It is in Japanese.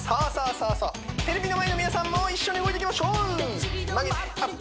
そうそうテレビの前の皆さんも一緒に動いていきましょう曲げてアップ